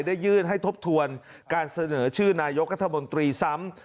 ได้ยื่นให้ทบทวนการเสนอชื่อนายกรัฐมนตรีซ้ำ